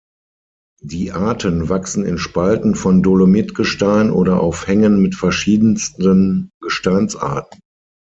Die Arten wachsen in Spalten von Dolomit-Gestein oder auf Hängen mit verschiedensten Gesteinsarten.